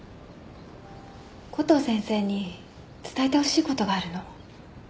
コトー先生に伝えてほしいことがあるの。